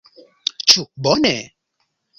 Ĉu bone?